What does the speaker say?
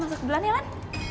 masak dulu ulan ya ulan